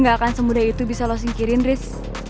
gue gak akan semudah itu bisa lo singkirin riz